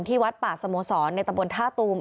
ที่วัดป่าสโมสรในตะบนท่าตูม